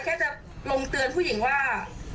แค่จะลงเตือนผู้หญิงว่า